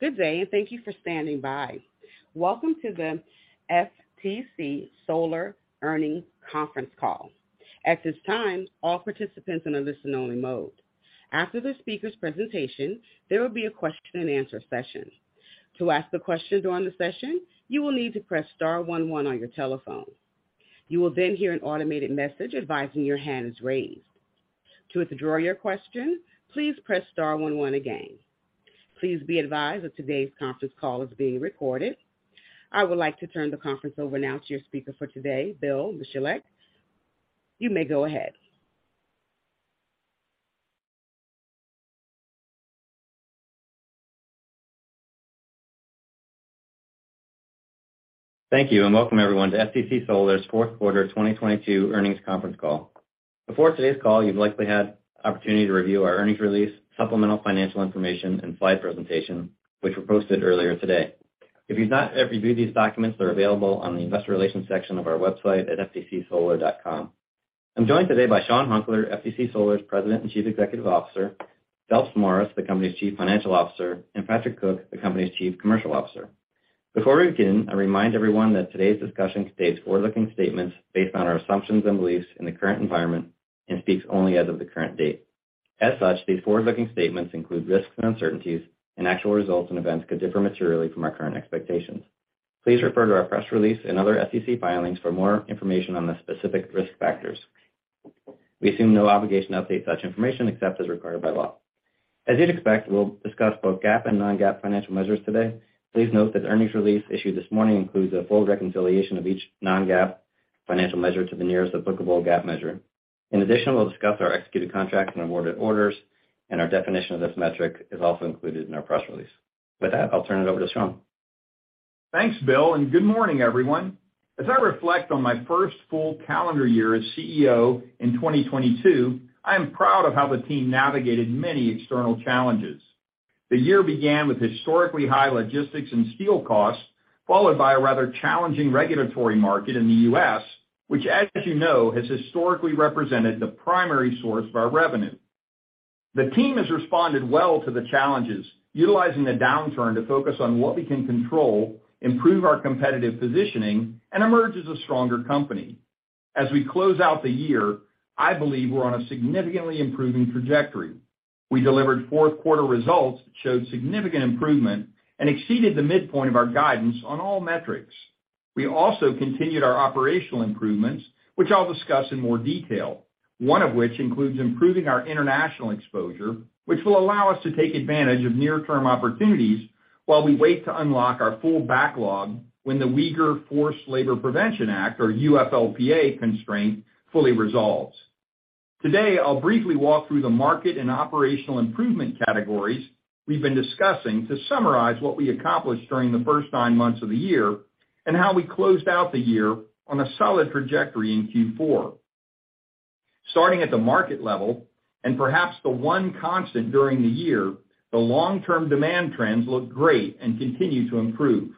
Good day. Thank you for standing by. Welcome to the FTC Solar earnings conference call. At this time, all participants are in a listen-only mode. After the speaker's presentation, there will be a question-and-answer session. To ask the question during the session, you will need to press star one one on your telephone. You will then hear an automated message advising your hand is raised. To withdraw your question, please press star one one again. Please be advised that today's conference call is being recorded. I would like to turn the conference over now to your speaker for today, Bill Michalek. You may go ahead. Thank you. Welcome everyone to FTC Solar's Fourth Quarter 2022 Earnings Conference Call. Before today's call, you've likely had opportunity to review our earnings release, supplemental financial information and slide presentation, which were posted earlier today. If you've not yet reviewed these documents, they're available on the investor relations section of our website at ftcsolar.com. I'm joined today by Sean Hunkler, FTC Solar's President and Chief Executive Officer, Phelps Morris, the company's Chief Financial Officer, and Patrick Cook, the company's Chief Commercial Officer. Before we begin, I remind everyone that today's discussion contains forward-looking statements based on our assumptions and beliefs in the current environment and speaks only as of the current date. These forward-looking statements include risks and uncertainties. Actual results and events could differ materially from our current expectations. Please refer to our press release and other FTC filings for more information on the specific risk factors. We assume no obligation to update such information except as required by law. As you'd expect, we'll discuss both GAAP and non-GAAP financial measures today. Please note that the earnings release issued this morning includes a full reconciliation of each non-GAAP financial measure to the nearest applicable GAAP measure. In addition, we'll discuss our executed contracts and awarded orders, and our definition of this metric is also included in our press release. With that, I'll turn it over to Sean. Thanks, Bill. Good morning, everyone. As I reflect on my first full calendar year as CEO in 2022, I am proud of how the team navigated many external challenges. The year began with historically high logistics and steel costs, followed by a rather challenging regulatory market in the U.S., which as you know, has historically represented the primary source of our revenue. The team has responded well to the challenges, utilizing the downturn to focus on what we can control, improve our competitive positioning and emerge as a stronger company. As we close out the year, I believe we're on a significantly improving trajectory. We delivered fourth quarter results that showed significant improvement and exceeded the midpoint of our guidance on all metrics. We also continued our operational improvements, which I'll discuss in more detail. One of which includes improving our international exposure, which will allow us to take advantage of near-term opportunities while we wait to unlock our full backlog when the Uyghur Forced Labor Prevention Act or UFLPA constraint fully resolves. Today, I'll briefly walk through the market and operational improvement categories we've been discussing to summarize what we accomplished during the first nine months of the year and how we closed out the year on a solid trajectory in Q4. Starting at the market level, perhaps the one constant during the year, the long-term demand trends look great and continue to improve.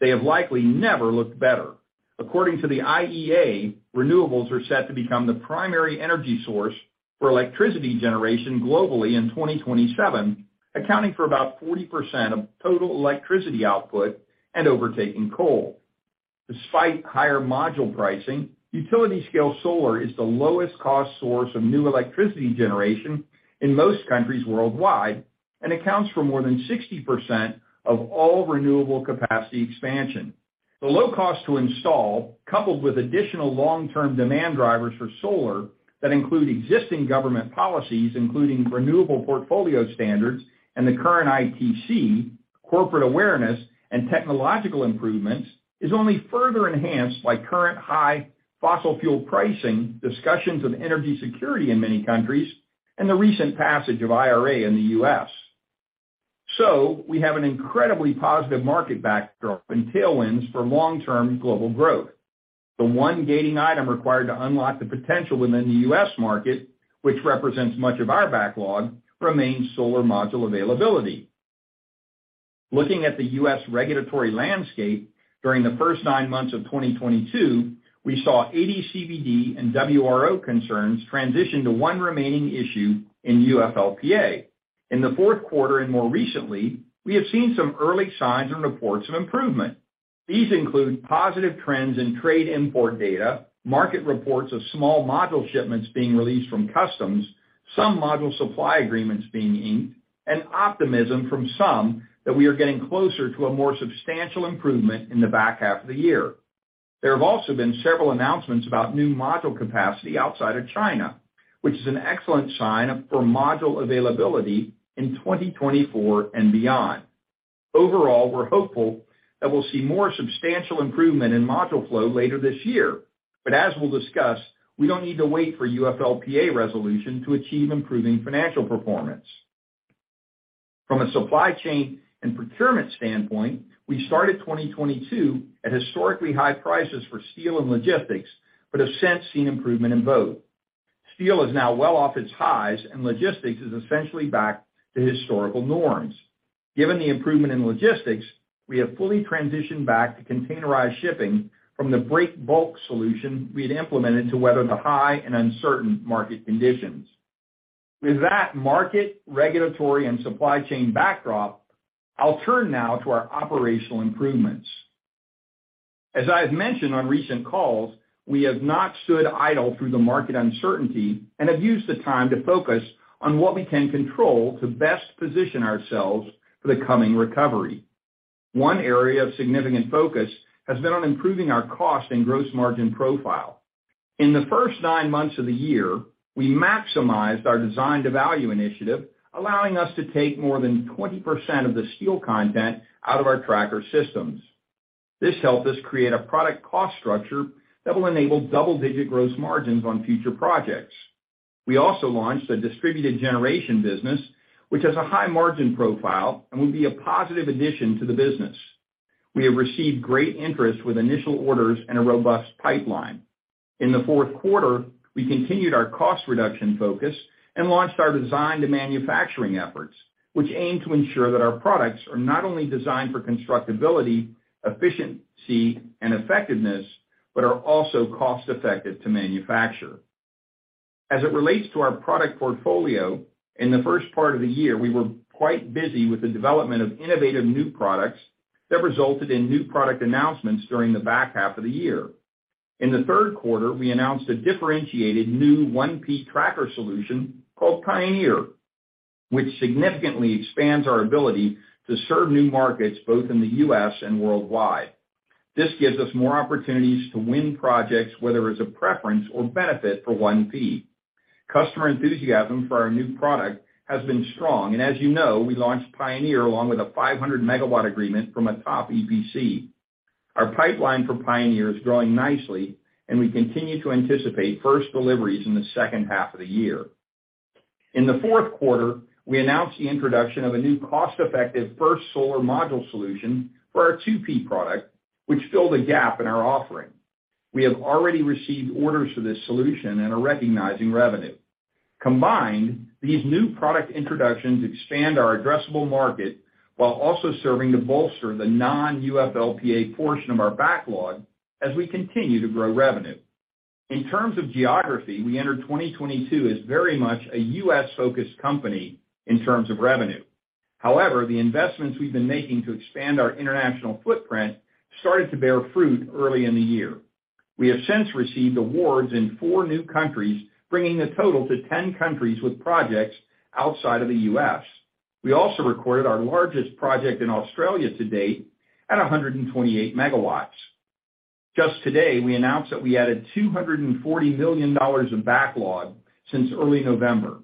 They have likely never looked better. According to the IEA, renewables are set to become the primary energy source for electricity generation globally in 2027, accounting for about 40% of total electricity output and overtaking coal. Despite higher module pricing, utility-scale solar is the lowest cost source of new electricity generation in most countries worldwide and accounts for more than 60% of all renewable capacity expansion. The low cost to install, coupled with additional long-term demand drivers for solar that include existing government policies, including renewable portfolio standards and the current ITC, corporate awareness and technological improvements, is only further enhanced by current high fossil fuel pricing, discussions of energy security in many countries and the recent passage of IRA in the U.S. We have an incredibly positive market backdrop and tailwinds for long-term global growth. The one gating item required to unlock the potential within the U.S. market, which represents much of our backlog, remains solar module availability. Looking at the U.S. regulatory landscape during the first nine months of 2022, we saw AD/CVD and WRO concerns transition to one remaining issue in UFLPA. In the fourth quarter and more recently, we have seen some early signs and reports of improvement. These include positive trends in trade import data, market reports of small module shipments being released from customs, some module supply agreements being inked, and optimism from some that we are getting closer to a more substantial improvement in the back half of the year. There have also been several announcements about new module capacity outside of China, which is an excellent sign for module availability in 2024 and beyond. Overall, we're hopeful that we'll see more substantial improvement in module flow later this year. As we'll discuss, we don't need to wait for UFLPA resolution to achieve improving financial performance. From a supply chain and procurement standpoint, we started 2022 at historically high prices for steel and logistics, but have since seen improvement in both. Steel is now well off its highs, and logistics is essentially back to historical norms. Given the improvement in logistics, we have fully transitioned back to containerized shipping from the break bulk solution we had implemented to weather the high and uncertain market conditions. That market regulatory and supply chain backdrop, I'll turn now to our operational improvements. As I have mentioned on recent calls, we have not stood idle through the market uncertainty and have used the time to focus on what we can control to best position ourselves for the coming recovery. One area of significant focus has been on improving our cost and gross margin profile. In the first nine months of the year, we maximized our design-to-value initiative, allowing us to take more than 20% of the steel content out of our tracker systems. This helped us create a product cost structure that will enable double-digit gross margins on future projects. We also launched a distributed generation business, which has a high margin profile and will be a positive addition to the business. We have received great interest with initial orders and a robust pipeline. In the fourth quarter, we continued our cost reduction focus and launched our design to manufacturing efforts, which aim to ensure that our products are not only designed for constructability, efficiency and effectiveness, but are also cost-effective to manufacture. As it relates to our product portfolio, in the first part of the year, we were quite busy with the development of innovative new products that resulted in new product announcements during the back half of the year. In the third quarter, we announced a differentiated new 1P tracker solution called Pioneer, which significantly expands our ability to serve new markets both in the U.S. and worldwide. This gives us more opportunities to win projects, whether it's a preference or benefit for 1P. Customer enthusiasm for our new product has been strong, and as you know, we launched Pioneer along with a 500 MW agreement from a top EPC. Our pipeline for Pioneer is growing nicely, and we continue to anticipate first deliveries in the second half of the year. In the fourth quarter, we announced the introduction of a new cost-effective First Solar module solution for our 2P product, which filled a gap in our offering. We have already received orders for this solution and are recognizing revenue. Combined, these new product introductions expand our addressable market while also serving to bolster the non-UFLPA portion of our backlog as we continue to grow revenue. In terms of geography, we entered 2022 as very much a U.S.-focused company in terms of revenue. The investments we've been making to expand our international footprint started to bear fruit early in the year. We have since received awards in four new countries, bringing the total to 10 countries with projects outside of the U.S. We also recorded our largest project in Australia to date at 128 MW. Just today, we announced that we added $240 million of backlog since early November.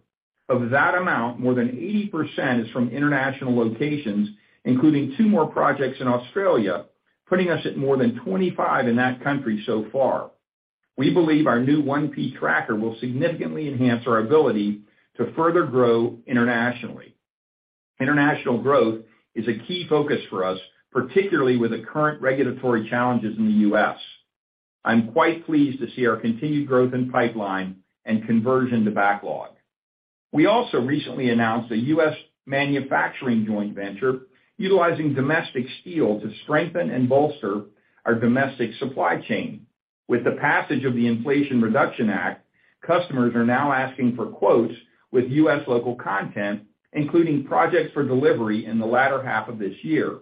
Of that amount, more than 80% is from international locations, including two more projects in Australia, putting us at more than 25 in that country so far. We believe our new 1P tracker will significantly enhance our ability to further grow internationally. International growth is a key focus for us, particularly with the current regulatory challenges in the U.S. I'm quite pleased to see our continued growth in pipeline and conversion to backlog. We also recently announced a U.S. manufacturing joint venture utilizing domestic steel to strengthen and bolster our domestic supply chain. With the passage of the Inflation Reduction Act, customers are now asking for quotes with U.S. local content, including projects for delivery in the latter half of this year.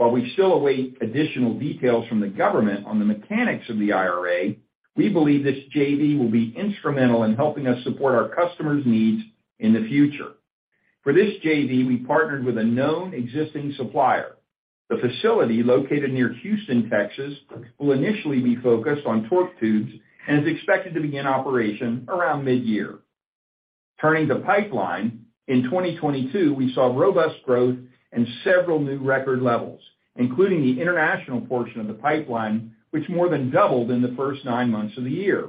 While we still await additional details from the government on the mechanics of the IRA, we believe this JV will be instrumental in helping us support our customers' needs in the future. For this JV, we partnered with a known existing supplier. The facility located near Houston, Texas, will initially be focused on torque tubes and is expected to begin operation around midyear. Turning to pipeline, in 2022, we saw robust growth and several new record levels, including the international portion of the pipeline, which more than doubled in the first nine months of the year.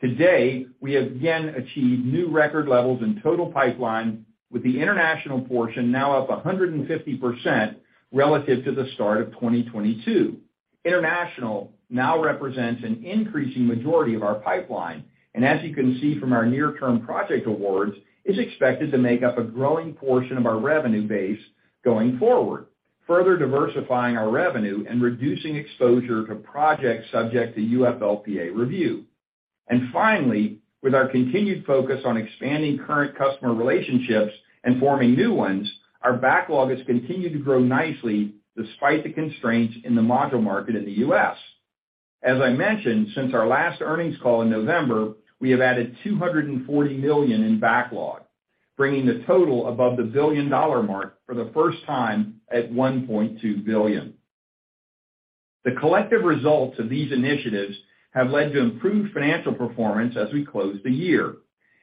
Today, we have again achieved new record levels in total pipeline, with the international portion now up 150% relative to the start of 2022. International now represents an increasing majority of our pipeline. As you can see from our near-term project awards, is expected to make up a growing portion of our revenue base going forward, further diversifying our revenue and reducing exposure to projects subject to UFLPA review. Finally, with our continued focus on expanding current customer relationships and forming new ones, our backlog has continued to grow nicely despite the constraints in the module market in the U.S. As I mentioned, since our last earnings call in November, we have added $240 million in backlog, bringing the total above the billion-dollar mark for the first time at $1.2 billion. The collective results of these initiatives have led to improved financial performance as we close the year.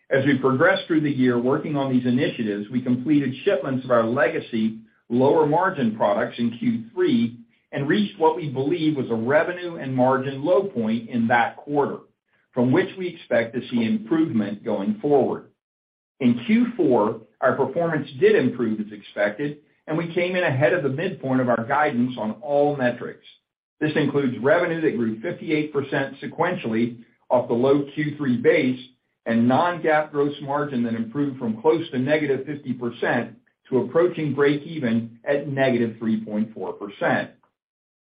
As we progress through the year working on these initiatives, we completed shipments of our legacy lower margin products in Q3 and reached what we believe was a revenue and margin low point in that quarter, from which we expect to see improvement going forward. In Q4, our performance did improve as expected, and we came in ahead of the midpoint of our guidance on all metrics. This includes revenue that grew 58% sequentially off the low Q3 base and non-GAAP gross margin that improved from close to -50% to approaching break even at -3.4%.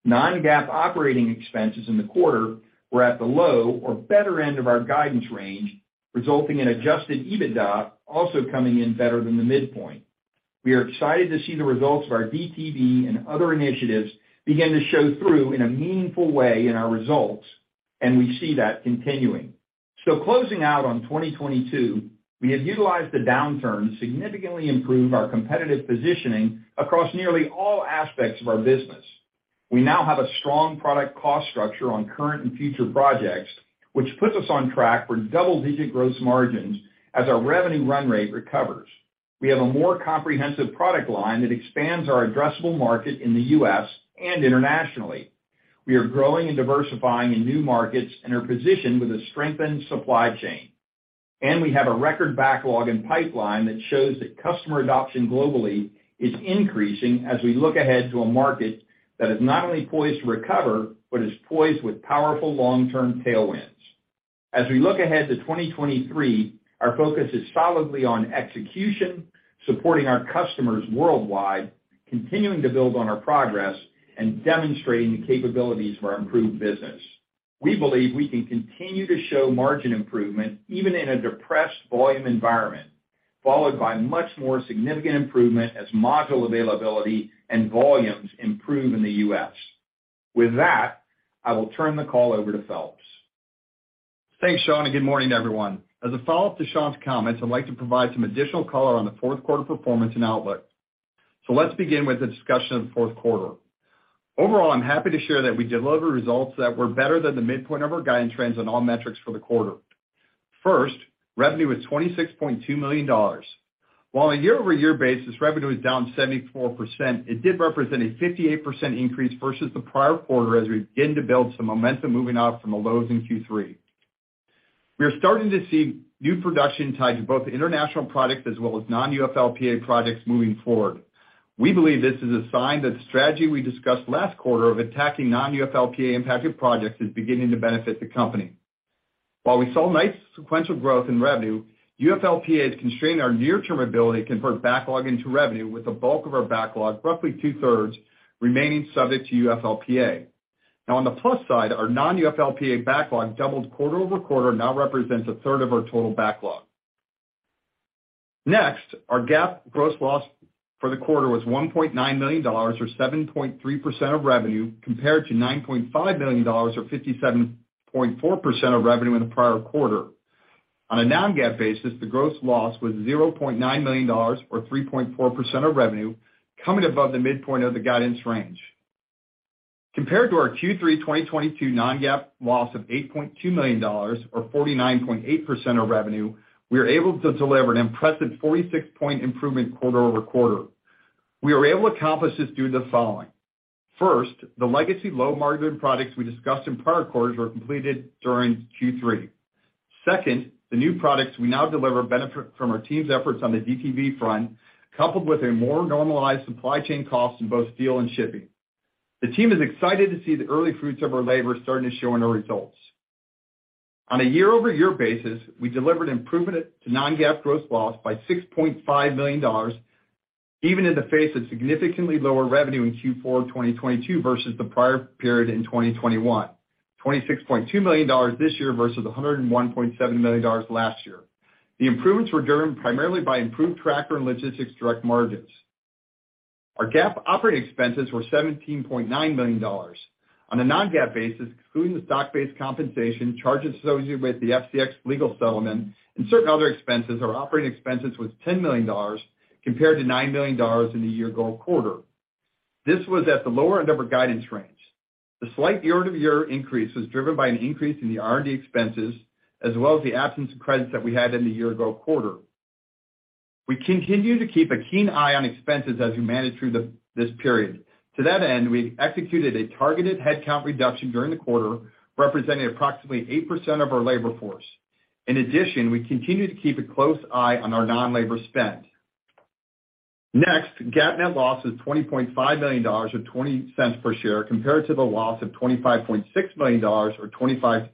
Non-GAAP operating expenses in the quarter were at the low or better end of our guidance range, resulting in adjusted EBITDA also coming in better than the midpoint. We are excited to see the results of our DTV and other initiatives begin to show through in a meaningful way in our results, and we see that continuing. Closing out on 2022, we have utilized the downturn to significantly improve our competitive positioning across nearly all aspects of our business. We now have a strong product cost structure on current and future projects, which puts us on track for double-digit gross margins as our revenue run rate recovers. We have a more comprehensive product line that expands our addressable market in the U.S. and internationally. We are growing and diversifying in new markets and are positioned with a strengthened supply chain. We have a record backlog in pipeline that shows that customer adoption globally is increasing as we look ahead to a market that is not only poised to recover, but is poised with powerful long-term tailwinds. As we look ahead to 2023, our focus is solidly on execution, supporting our customers worldwide, continuing to build on our progress, and demonstrating the capabilities of our improved business. We believe we can continue to show margin improvement even in a depressed volume environment, followed by much more significant improvement as module availability and volumes improve in the U.S. With that, I will turn the call over to Phelps. Thanks, Sean. Good morning, everyone. As a follow-up to Sean's comments, I'd like to provide some additional color on the fourth quarter performance and outlook. Let's begin with a discussion of the fourth quarter. Overall, I'm happy to share that we delivered results that were better than the midpoint of our guidance trends on all metrics for the quarter. First, revenue was $26.2 million. While on a year-over-year basis, revenue was down 74%, it did represent a 58% increase versus the prior quarter as we begin to build some momentum moving out from the lows in Q3. We are starting to see new production tied to both international products as well as non-UFLPA projects moving forward. We believe this is a sign that the strategy we discussed last quarter of attacking non-UFLPA impacted projects is beginning to benefit the company. While we saw nice sequential growth in revenue, UFLPA has constrained our near-term ability to convert backlog into revenue with the bulk of our backlog, roughly two-thirds, remaining subject to UFLPA. On the plus side, our non-UFLPA backlog doubled quarter-over-quarter, now represents a third of our total backlog. Our GAAP gross loss for the quarter was $1.9 million or 7.3% of revenue compared to $9.5 million or 57.4% of revenue in the prior quarter. On a non-GAAP basis, the gross loss was $0.9 million or 3.4% of revenue, coming above the midpoint of the guidance range. Compared to our Q3 2022 non-GAAP loss of $8.2 million or 49.8% of revenue, we are able to deliver an impressive 46 point improvement quarter-over-quarter. We were able to accomplish this due to the following. First, the legacy low-margin products we discussed in prior quarters were completed during Q3. Second, the new products we now deliver benefit from our team's efforts on the DTV front, coupled with a more normalized supply chain cost in both steel and shipping. The team is excited to see the early fruits of our labor starting to show in our results. On a year-over-year basis, we delivered improvement to non-GAAP gross loss by $6.5 million, even in the face of significantly lower revenue in Q4 of 2022 versus the prior period in 2021. $26.2 million this year versus $101.7 million last year. The improvements were driven primarily by improved tracker and logistics direct margins. Our GAAP operating expenses were $17.9 million. On a non-GAAP basis, including the stock-based compensation, charges associated with the FCX legal settlement, and certain other expenses, our operating expenses was $10 million compared to $9 million in the year-ago quarter. This was at the lower end of our guidance range. The slight year-over-year increase was driven by an increase in the R&D expenses as well as the absence of credits that we had in the year-ago quarter. We continue to keep a keen eye on expenses as we manage through this period. To that end, we've executed a targeted headcount reduction during the quarter, representing approximately 8% of our labor force. In addition, we continue to keep a close eye on our non-labor spend. GAAP net loss is $20.5 million or $0.20 per share compared to the loss of $25.6 million or $0.25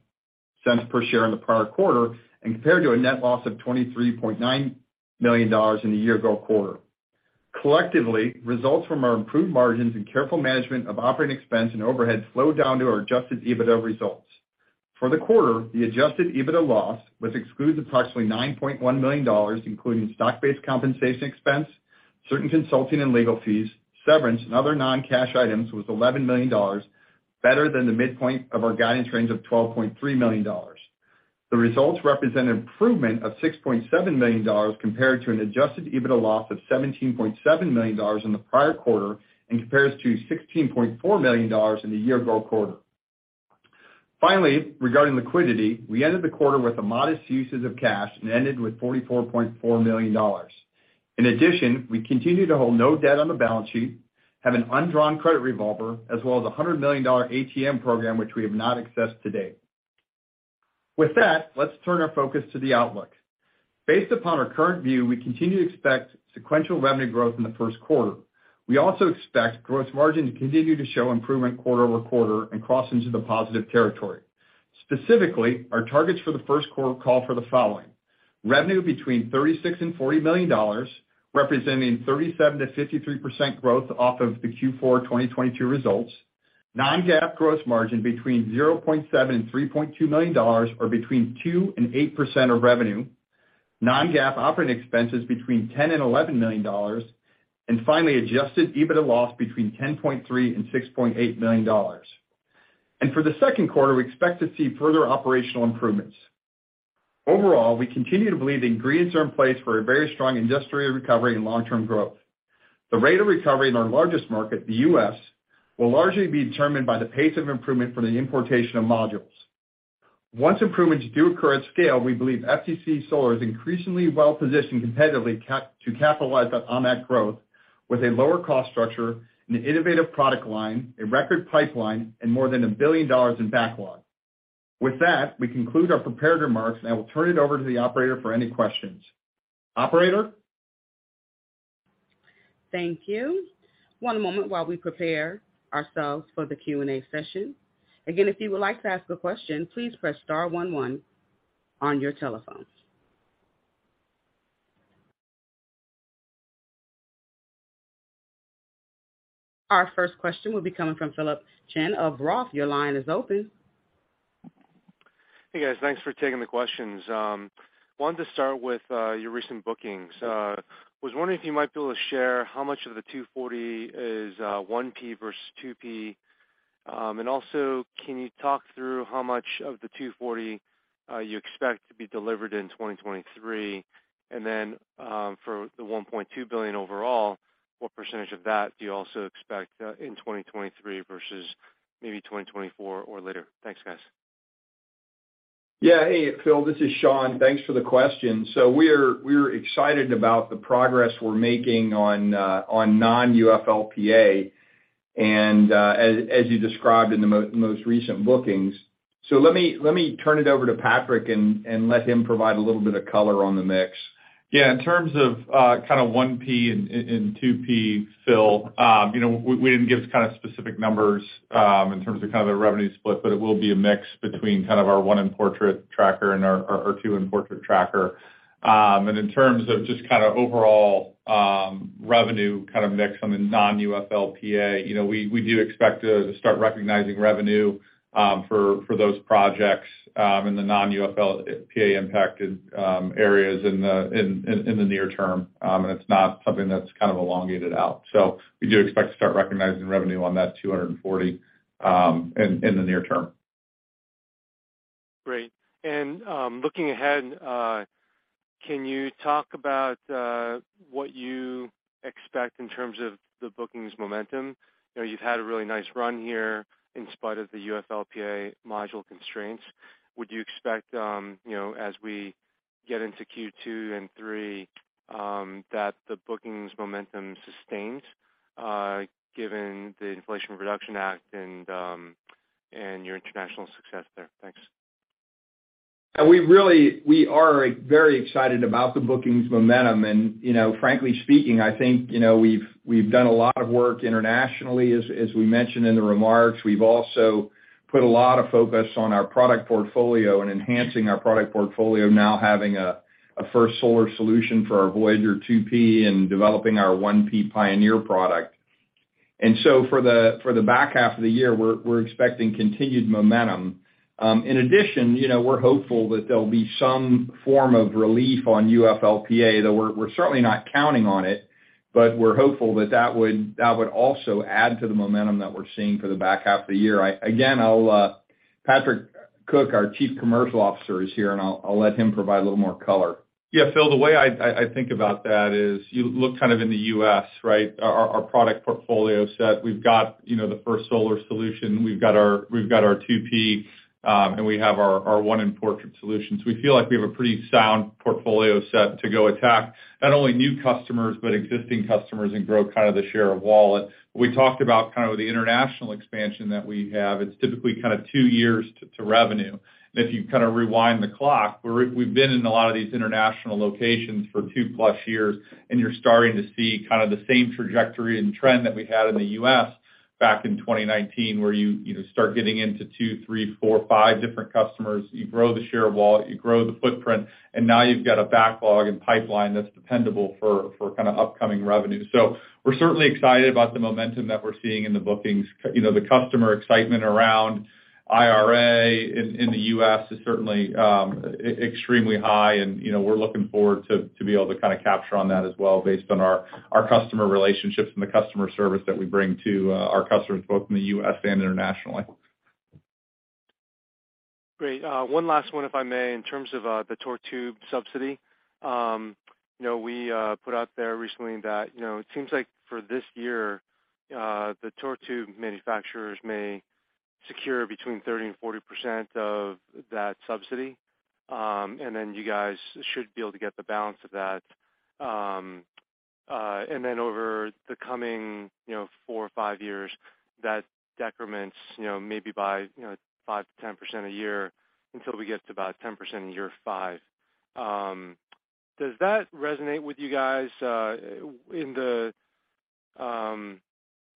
per share in the prior quarter and compared to a net loss of $23.9 million in the year-ago quarter. Collectively, results from our improved margins and careful management of operating expense and overhead slowed down to our adjusted EBITDA results. For the quarter, the adjusted EBITDA loss, which excludes approximately $9.1 million, including stock-based compensation expense, certain consulting and legal fees, severance, and other non-cash items, was $11 million, better than the midpoint of our guidance range of $12.3 million. The results represent an improvement of $6.7 million compared to an adjusted EBITDA loss of $17.7 million in the prior quarter and compares to $16.4 million in the year-ago quarter. Finally, regarding liquidity, we ended the quarter with a modest usage of cash and ended with $44.4 million. In addition, we continue to hold no debt on the balance sheet, have an undrawn credit revolver, as well as a $100 million ATM program which we have not accessed to date. With that, let's turn our focus to the outlook. Based upon our current view, we continue to expect sequential revenue growth in the first quarter. We also expect gross margin to continue to show improvement quarter-over-quarter and cross into the positive territory. Specifically, our targets for the first quarter call for the following: revenue between $36 million and $40 million, representing 37%-53% growth off of the Q4 2022 results. Non-GAAP gross margin between $0.7 million and $3.2 million, or between 2% and 8% of revenue. Non-GAAP operating expenses between $10 million and $11 million, finally, adjusted EBITDA loss between $10.3 million and $6.8 million. For the second quarter, we expect to see further operational improvements. Overall, we continue to believe the ingredients are in place for a very strong industrial recovery and long-term growth. The rate of recovery in our largest market, the U.S., will largely be determined by the pace of improvement for the importation of modules. Once improvements do occur at scale, we believe FTC Solar is increasingly well-positioned competitively to capitalize on that growth with a lower cost structure, an innovative product line, a record pipeline, and more than $1 billion in backlog. With that, we conclude our prepared remarks, and I will turn it over to the operator for any questions. Operator? Thank you. One moment while we prepare ourselves for the Q&A session. If you would like to ask a question, please press star one one on your telephones. Our first question will be coming from Philip Shen of ROTH. Your line is open. Hey, guys. Thanks for taking the questions. Wanted to start with your recent bookings. Was wondering if you might be able to share how much of the $240 million is 1P versus 2P? Also can you talk through how much of the $240 million you expect to be delivered in 2023? For the $1.2 billion overall, what percentage of that do you also expect in 2023 versus maybe 2024 or later? Thanks, guys. Yeah. Hey, Phil, this is Sean. Thanks for the question. We're excited about the progress we're making on non-UFLPA, and as you described in the most recent bookings. Let me turn it over to Patrick and let him provide a little bit of color on the mix. In terms of kind of 1P and 2P, Phil, you know, we didn't give kind of specific numbers in terms of kind of the revenue split, but it will be a mix between kind of our one-in-portrait tracker and our two-in-portrait tracker. In terms of just kind of overall revenue kind of mix on the non-UFLPA, you know, we do expect to start recognizing revenue for those projects in the non-UFLPA impacted areas in the near term. It's not something that's kind of elongated out. We do expect to start recognizing revenue on that 240 in the near term. Great. Looking ahead, can you talk about, what you expect in terms of the bookings momentum? You know, you've had a really nice run here in spite of the UFLPA module constraints. Would you expect, you know, as we get into Q2 and 3, that the bookings momentum sustains, given the Inflation Reduction Act and your international success there? Thanks. We are very excited about the bookings momentum. You know, frankly speaking, I think, you know, we've done a lot of work internationally, as we mentioned in the remarks. We've also put a lot of focus on our product portfolio and enhancing our product portfolio, now having a First Solar solution for our Voyager 2P and developing our 1P Pioneer product. For the back half of the year, we're expecting continued momentum. In addition, you know, we're hopeful that there'll be some form of relief on UFLPA, though we're certainly not counting on it, but we're hopeful that that would also add to the momentum that we're seeing for the back half of the year. Again, I'll, Patrick Cook, our Chief Commercial Officer, is here, and I'll let him provide a little more color. Yeah. Phil, the way I think about that is you look kind of in the U.S., right? Our product portfolio set. We've got, you know, the First Solar solution. We've got our 2P, and we have our one-in-portrait solutions. We feel like we have a pretty sound portfolio set to go attack not only new customers, but existing customers and grow kind of the share of wallet. We talked about kind of the international expansion that we have. It's typically kind of two years to revenue. If you kind of rewind the clock, we've been in a lot of these international locations for two+ years, you're starting to see kind of the same trajectory and trend that we had in the U.S. back in 2019, where you know, start getting into two, three, four, five different customers. You grow the share of wallet, you grow the footprint, now you've got a backlog and pipeline that's dependable for kind of upcoming revenue. We're certainly excited about the momentum that we're seeing in the bookings. You know, the customer excitement around IRA in the U.S. is certainly extremely high. You know, we're looking forward to be able to kind of capture on that as well based on our customer relationships and the customer service that we bring to our customers, both in the U.S. and internationally. Great. One last one, if I may. In terms of the torque tubes subsidy, you know, we put out there recently that, you know, it seems like for this year, the torque tube manufacturers may secure between 30%-40% of that subsidy. You guys should be able to get the balance of that, over the coming, you know, four or five years, that decrements, you know, maybe by, you know, 5%-10% a year until we get to about 10% in year five. Does that resonate with you guys, in the...?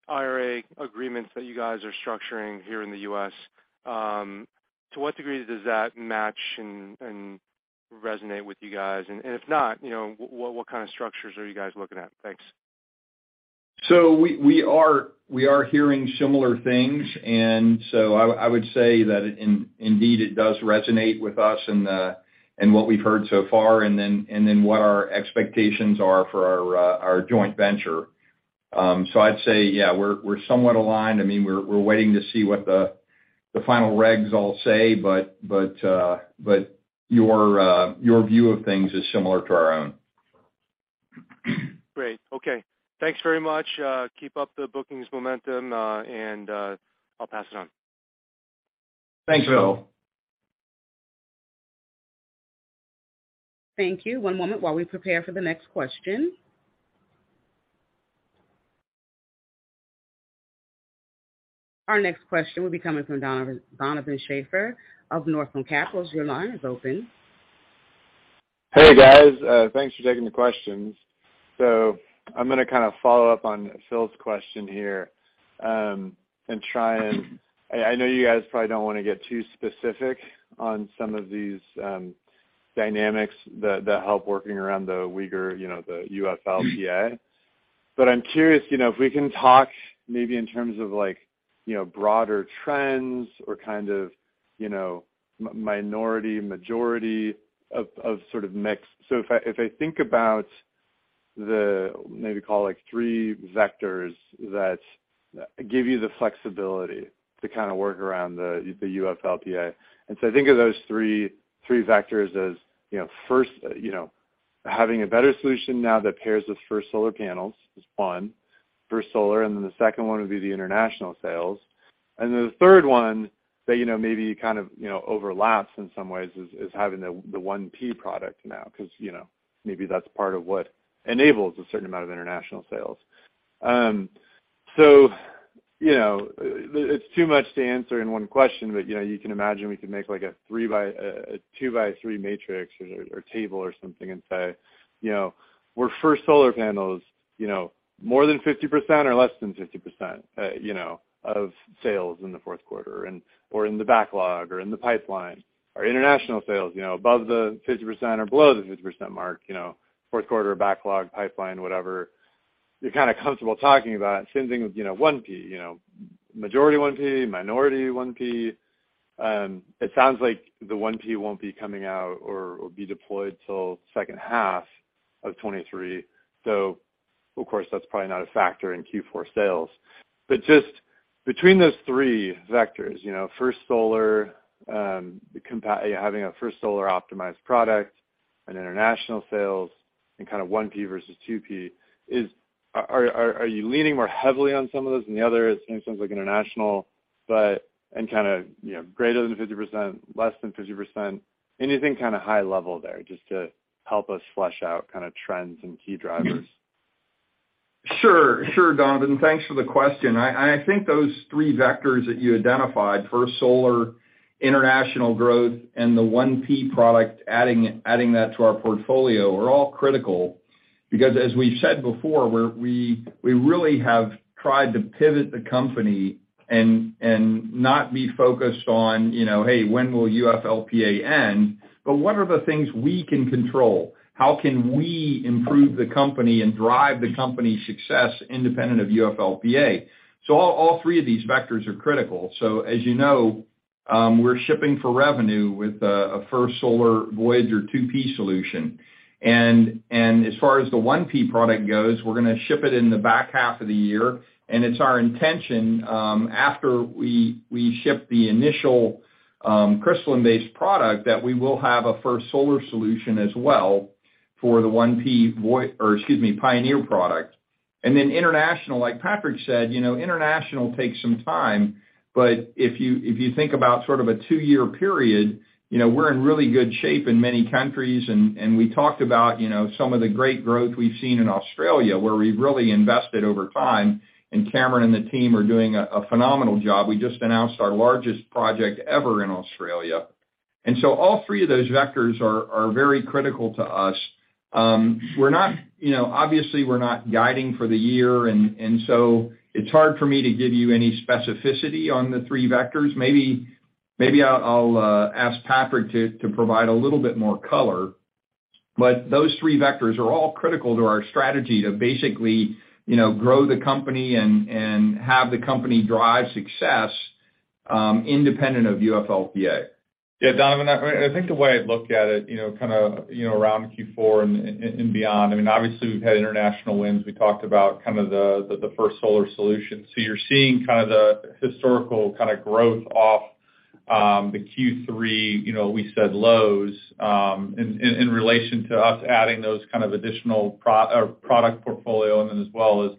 IRA agreements that you guys are structuring here in the U.S. To what degree does that match and resonate with you guys? If not, you know, what kind of structures are you guys looking at? Thanks. We are hearing similar things. I would say that indeed, it does resonate with us in what we've heard so far, and then what our expectations are for our joint venture. I'd say, yeah, we're somewhat aligned. I mean, we're waiting to see what the final regs all say, but your view of things is similar to our own. Great. Okay. Thanks very much. Keep up the bookings momentum, and, I'll pass it on. Thanks, Phil. Thank you. One moment while we prepare for the next question. Our next question will be coming from Donovan Schafer of Northland Capital. Your line is open. Hey, guys. Thanks for taking the questions. I'm gonna kind of follow-up on Phil's question here, and try and. I know you guys probably don't wanna get too specific on some of these dynamics that help working around the weaker, you know, the UFLPA. I'm curious, you know, if we can talk maybe in terms of like, you know, broader trends or kind of, you know, minority and majority of sort of mix. If I, if I think about the maybe call, like, three vectors that give you the flexibility to kind of work around the UFLPA. I think of those three vectors as, you know, first, you know, having a better solution now that pairs with First Solar panels is one, First Solar, and then the second one would be the international sales. The third one that, you know, maybe kind of, you know, overlaps in some ways is having the 1P product now because, you know, maybe that's part of what enables a certain amount of international sales. You know, it's too much to answer in one question, but, you know, you can imagine we could make like a two by three matrix or table or something and say, you know, were First Solar panels, you know, more than 50% or less than 50%, you know, of sales in the fourth quarter and, or in the backlog or in the pipeline? Are international sales, you know, above the 50% or below the 50% mark, you know, fourth quarter backlog, pipeline, whatever you're kind of comfortable talking about? Same thing with, you know, 1P, you know, majority 1P, minority 1P. It sounds like the 1P won't be coming out or be deployed till second half of 2023. Of course, that's probably not a factor in Q4 sales. Just between those three vectors, you know, First Solar, having a First Solar optimized product and international sales and kind of 1P versus 2P, are you leaning more heavily on some of those than the others? It seems like international, and kind of, you know, greater than 50%, less than 50%. Anything kind of high level there just to help us flesh out kind of trends and key drivers. Sure. Sure, Donovan. Thanks for the question. I think those three vectors that you identified, First Solar, international growth, and the 1P product, adding that to our portfolio are all critical because as we've said before, we really have tried to pivot the company and not be focused on, you know, hey, when will UFLPA end? But what are the things we can control? How can we improve the company and drive the company's success independent of UFLPA? All three of these vectors are critical. As you know, we're shipping for revenue with a First Solar, Voyager 2P solution. As far as the 1P product goes, we're gonna ship it in the back half of the year. It's our intention, after we ship the initial crystalline-based product, that we will have a First Solar solution as well for the 1P Voya- or should be Pioneer product. International, like Patrick said, you know, international takes some time. If you think about sort of a two-year period, you know, we're in really good shape in many countries. We talked about, you know, some of the great growth we've seen in Australia, where we've really invested over time, and Cameron and the team are doing a phenomenal job. We just announced our largest project ever in Australia. All three of those vectors are very critical to us. We're not, you know, obviously we're not guiding for the year and so it's hard for me to give you any specificity on the three vectors. Maybe I'll ask Patrick to provide a little bit more color. Those three vectors are all critical to our strategy to basically, you know, grow the company and have the company drive success, independent of UFLPA. Yeah, Donovan, I think the way I'd look at it, you know, kind of, you know, around Q4 and beyond, I mean, obviously we've had international wins. We talked about kind of the First Solar solution. You're seeing kind of the historical kind of growth off the Q3, you know, we said lows, in relation to us adding those kind of additional product portfolio and then as well as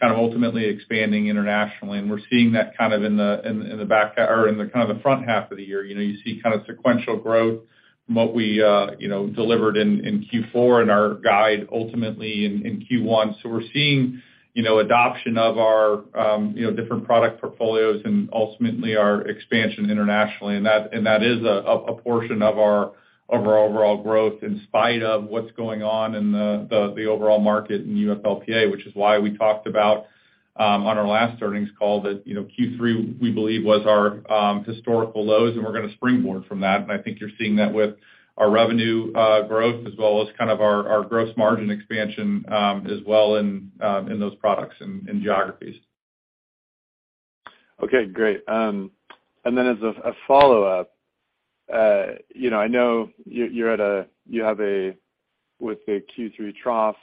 kind of ultimately expanding internationally. We're seeing that kind of in the back or in the kind of the front half of the year. You know, you see kind of sequential growth from what we, you know, delivered in Q4 and our guide ultimately in Q1. We're seeing, you know, adoption of our, you know, different product portfolios and ultimately our expansion internationally. That, and that is a portion of our, of our overall growth in spite of what's going on in the, the overall market in UFLPA, which is why we talked about on our last earnings call that, you know, Q3, we believe was our historical lows, and we're gonna springboard from that. I think you're seeing that with our revenue growth as well as kind of our gross margin expansion as well in those products and geographies. Okay, great. As a follow-up, you know, I know you're with the Q3 trough.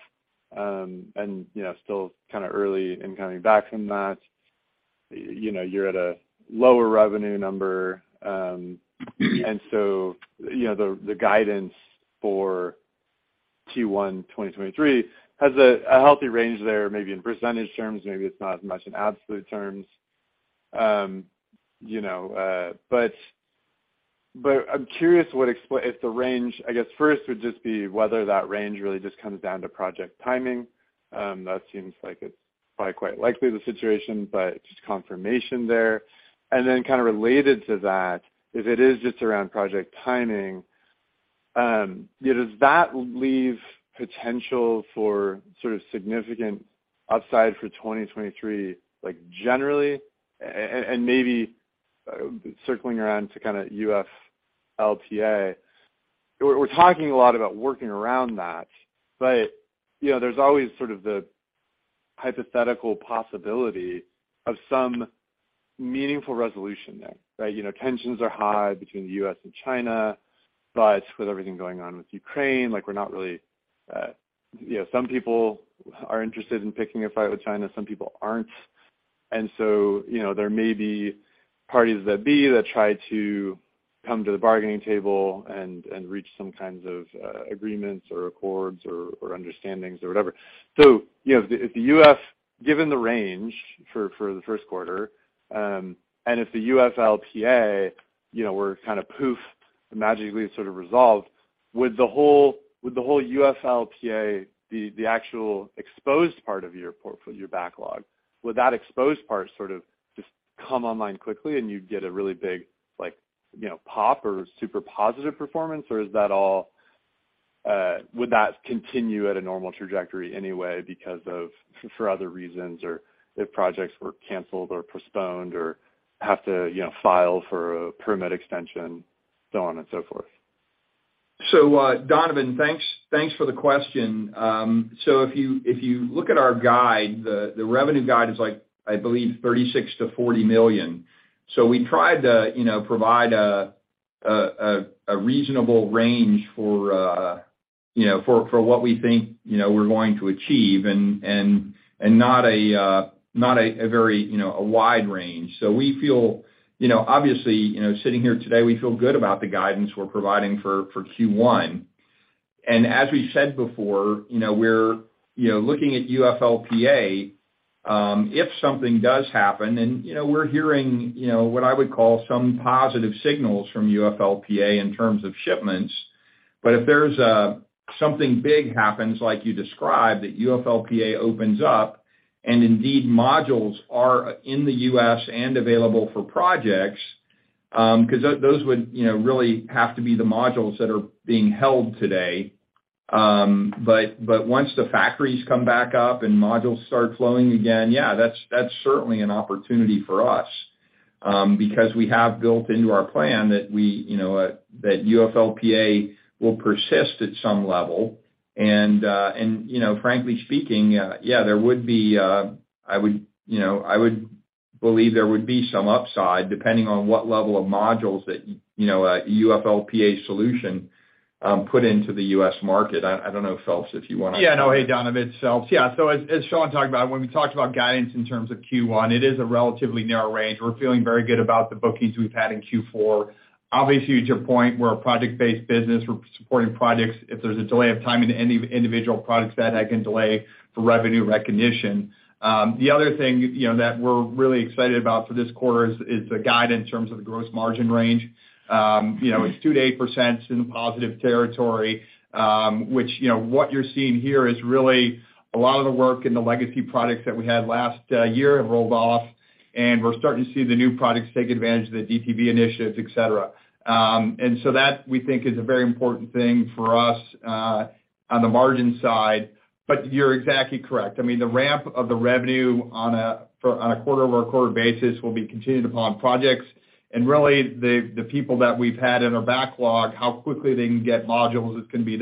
You know, still kinda early in coming back from that, you know, you're at a lower revenue number. You know, the guidance for Q1 2023 has a healthy range there, maybe in percentage terms, maybe it's not as much in absolute terms. You know, I'm curious I guess first would just be whether that range really just comes down to project timing. That seems like it's probably quite likely the situation, just confirmation there. Kind of related to that, if it is just around project timing, you know, does that leave potential for sort of significant upside for 2023, like, generally? Maybe circling around to kinda UFLPA, we're talking a lot about working around that. you know, there's always sort of the hypothetical possibility of some meaningful resolution there, right? You know, tensions are high between the U.S. and China, but with everything going on with Ukraine, like we're not really, you know, some people are interested in picking a fight with China, some people aren't. you know, there may be parties that be that try to come to the bargaining table and reach some kinds of agreements or accords or understandings or whatever. you know, if the U.S., given the range for the first quarter, and if the UFLPA, you know, were kind of poof, magically sort of resolved, would the whole UFLPA be the actual exposed part of your backlog? Would that exposed part sort of just come online quickly and you'd get a really big, like, you know, pop or super positive performance? Is that all, would that continue at a normal trajectory anyway because of for other reasons, or if projects were canceled or postponed or have to, you know, file for a permit extension, so on and so forth? Donovan, thanks for the question. If you look at our guide, the revenue guide is like, I believe, $36 million-$40 million. We tried to, you know, provide a reasonable range for, you know, for what we think, you know, we're going to achieve and not a very, you know, wide range. We feel, you know, obviously, you know, sitting here today, we feel good about the guidance we're providing for Q1. As we said before, you know, we're, you know, looking at UFLPA, if something does happen, and, you know, we're hearing, you know, what I would call some positive signals from UFLPA in terms of shipments. If there's something big happens, like you described, that UFLPA opens up, and indeed modules are in the U.S. and available for projects, cause those would, you know, really have to be the modules that are being held today. Once the factories come back up and modules start flowing again, yeah, that's certainly an opportunity for us. Because we have built into our plan that we, you know, that UFLPA will persist at some level. You know, frankly speaking, yeah, there would be, I would, you know, I would believe there would be some upside, depending on what level of modules that, you know, a UFLPA solution put into the U.S. market. I don't know if, Phelps, if you wanna? Hey, Donovan. It's Phelps. As Sean talked about, when we talked about guidance in terms of Q1, it is a relatively narrow range. We're feeling very good about the bookings we've had in Q4. Obviously, to your point, we're a project-based business. We're supporting projects. If there's a delay of time in any individual projects, that can delay the revenue recognition. The other thing, you know, that we're really excited about for this quarter is the guide in terms of the gross margin range. You know, it's 2%-8%, it's in the positive territory, which, you know, what you're seeing here is really a lot of the work in the legacy products that we had last year have rolled off, and we're starting to see the new products take advantage of the DTV initiatives, et cetera. So that, we think, is a very important thing for us on the margin side. You're exactly correct. I mean, the ramp of the revenue on a quarter-over-quarter basis will be contingent upon projects. Really, the people that we've had in our backlog, how quickly they can get modules is gonna be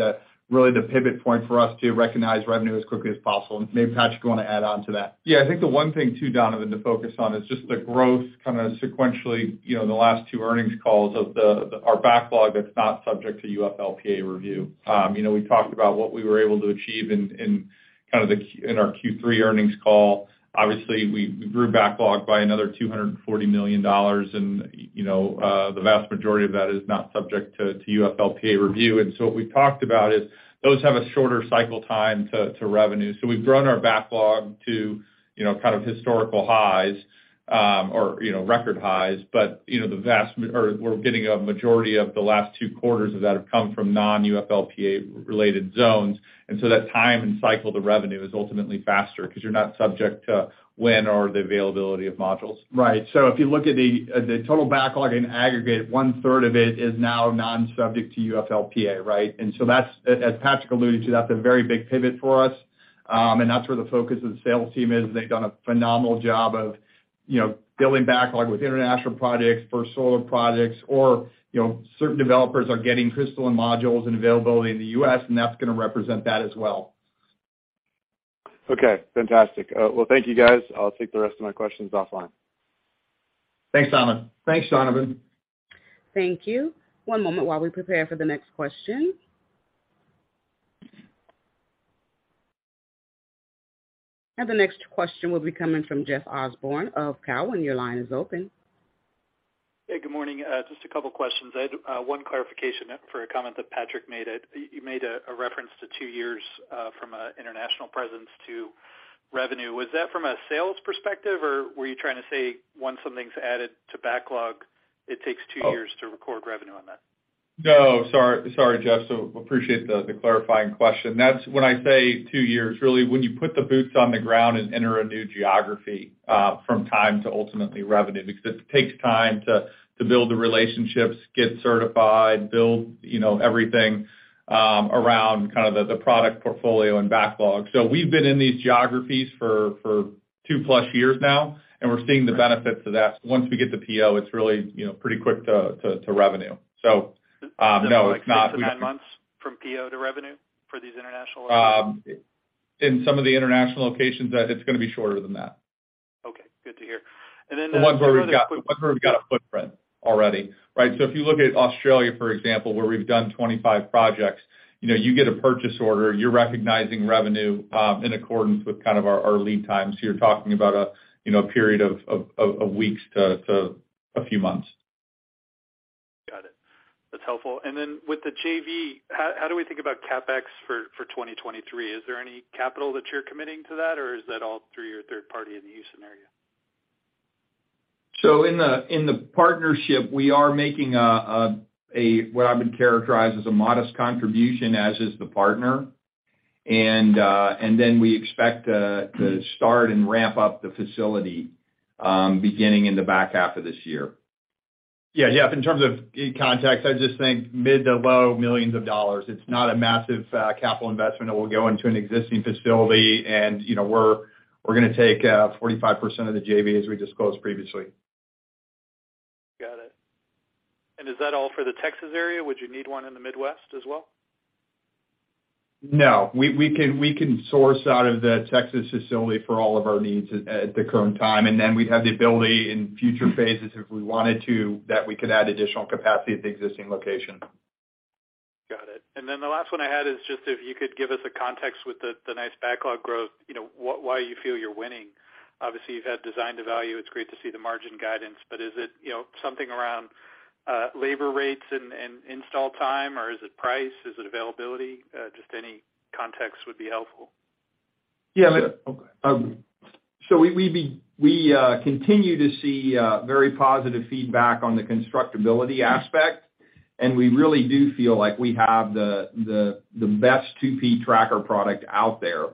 really the pivot point for us to recognize revenue as quickly as possible. Maybe, Patrick, you wanna add on to that? I think the one thing too, Donovan, to focus on is just the growth kind of sequentially, you know, in the last two earnings calls of our backlog that's not subject to UFLPA review. You know, we talked about what we were able to achieve in our Q3 earnings call. Obviously, we grew backlog by another $240 million and, you know, the vast majority of that is not subject to UFLPA review. What we've talked about is those have a shorter cycle time to revenue. We've grown our backlog to, you know, kind of historical highs, or, you know, record highs. You know, the vast majority of the last two quarters of that have come from non-UFLPA related zones. That time and cycle to revenue is ultimately faster 'cause you're not subject to when or the availability of modules. Right. If you look at the total backlog in aggregate, one-third of it is now non-subject to UFLPA, right? That's, as Patrick alluded to, that's a very big pivot for us. That's where the focus of the sales team is. They've done a phenomenal job of, you know, building backlog with international projects, for solar projects, or, you know, certain developers are getting crystalline modules and availability in the U.S., and that's gonna represent that as well. Fantastic. Well, thank you guys. I'll take the rest of my questions offline. Thanks, Donovan. Thanks, Donovan. Thank you. One moment while we prepare for the next question. The next question will be coming from Jeff Osborne of Cowen. Your line is open. Good morning. Just a couple questions. I had one clarification for a comment that Patrick made. You made a reference to two years from a international presence to revenue. Was that from a sales perspective, or were you trying to say once something's added to backlog, it takes two years to record revenue on that? No. Sorry, Jeff. Appreciate the clarifying question. That's when I say two years, really when you put the boots on the ground and enter a new geography from time to ultimately revenue, because it takes time to build the relationships, get certified, build, you know, everything around kind of the product portfolio and backlog. We've been in these geographies for two+ years now, and we're seeing the benefits of that. Once we get the PO, it's really, you know, pretty quick to revenue. No, it's not- Like six to nine months from PO to revenue for these international locations? In some of the international locations, it's gonna be shorter than that. Okay, good to hear. The ones where we've got a footprint already, right? If you look at Australia, for example, where we've done 25 projects, you know, you get a purchase order, you're recognizing revenue, in accordance with kind of our lead times. You're talking about a, you know, a period of weeks to a few months. Got it. That's helpful. With the JV, how do we think about CapEx for 2023? Is there any capital that you're committing to that, or is that all through your third party in the Houston area? In the, in the partnership, we are making what I would characterize as a modest contribution, as is the partner. We expect to start and ramp up the facility, beginning in the back half of this year. Yeah, Jeff, in terms of context, I just think mid to low millions of dollars. It's not a massive capital investment. It will go into an existing facility and, you know, we're gonna take 45% of the JV as we disclosed previously. Got it. Is that all for the Texas area? Would you need one in the Midwest as well? No. We can source out of the Texas facility for all of our needs at the current time. Then we'd have the ability in future phases if we wanted to, that we could add additional capacity at the existing location. Got it. Then the last one I had is just if you could give us a context with the nice backlog growth, you know, why you feel you're winning. Obviously, you've had design-to-value. It's great to see the margin guidance. Is it, you know, something around labor rates and install time, or is it price? Is it availability? Just any context would be helpful. Yeah. Sure. We continue to see very positive feedback on the constructability aspect, and we really do feel like we have the best 2P tracker product out there.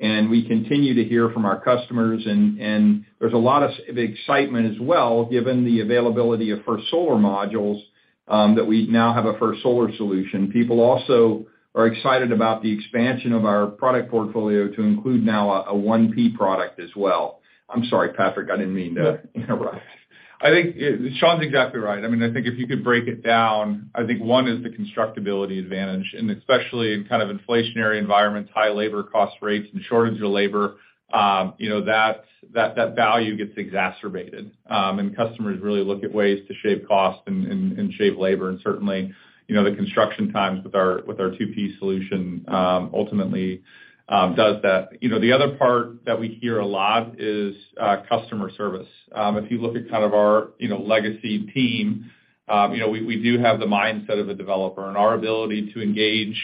We continue to hear from our customers and there's a lot of excitement as well, given the availability of First Solar modules that we now have a First Solar solution. People also are excited about the expansion of our product portfolio to include now a 1P product as well. I'm sorry, Patrick, I didn't mean to interrupt. I think Sean's exactly right. I mean, I think if you could break it down, I think one is the constructability advantage, especially in kind of inflationary environments, high labor cost rates and shortage of labor, you know, that value gets exacerbated. Customers really look at ways to shape cost and shape labor. Certainly, you know, the construction times with our 2P solution ultimately does that. You know, the other part that we hear a lot is customer service. If you look at kind of our, you know, legacy team, you know, we do have the mindset of a developer and our ability to engage,